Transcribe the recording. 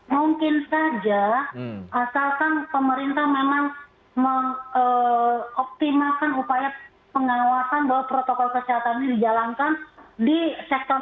mungkin saja asalkan pemerintah memang mengoptimalkan upaya pengawasan bahwa protokol kesehatan ini dijalankan di sektor